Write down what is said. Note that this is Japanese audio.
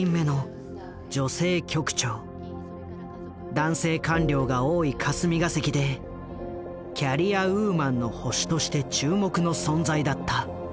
男性官僚が多い霞が関でキャリアウーマンの星として注目の存在だった。